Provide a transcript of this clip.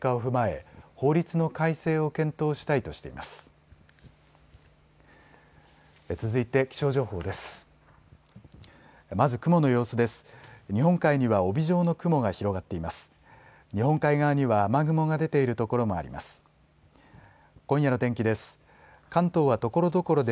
日本海側には雨雲が出ている所もあります。